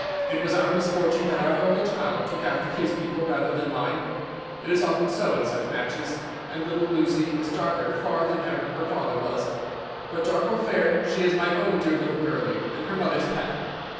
It was our misfortune that our only child took after his people rather than mine. It is often so in such matches, and little Lucy is darker far than ever her father was. But dark or fair, she is my own dear little girlie, and her mother's pet."